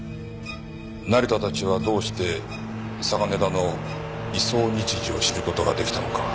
成田たちはどうして嵯峨根田の移送日時を知る事が出来たのか。